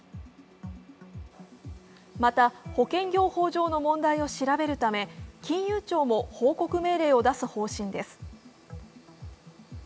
また保険業法上の問題を調べるため金融庁も報告命令を出す方針です。